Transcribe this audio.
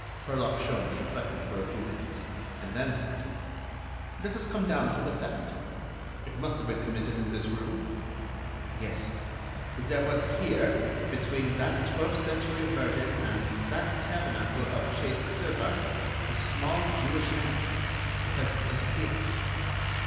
Herlock Sholmes reflected for a few minutes, and then said: "Let us come down to the theft. It must have been committed in this room?" "Yes; there was here, between that twelfth century Virgin and that tabernacle of chased silver, a small Jewish lamp. It has disappeared."